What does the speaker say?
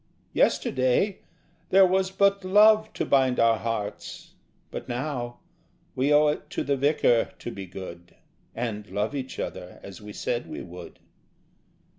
Yesterday There was but love to bind our hearts, but now We owe it to the Vicar to be good And love each other as we said we would.